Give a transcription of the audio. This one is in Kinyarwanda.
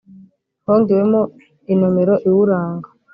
hongewemo inomero iwuranga